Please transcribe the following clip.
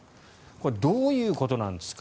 これ、どういうことなんですか。